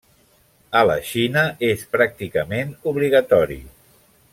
A la Xina és pràcticament obligatori.